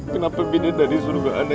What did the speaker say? kenapa bina dari surga ana